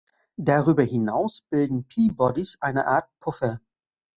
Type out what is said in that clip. Darüber hinaus bilden P-bodies eine Art Puffer.